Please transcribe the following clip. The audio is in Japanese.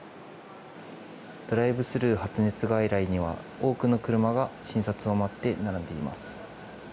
ドライブスルー発熱外来には多くの車が診察を待って並んでいます。